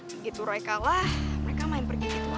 begitu roy kalah mereka main pergi gitu